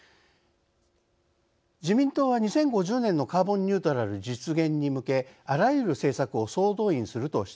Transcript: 自民党は「２０５０年のカーボンニュートラル実現に向けあらゆる政策を総動員する」としています。